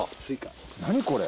何これ。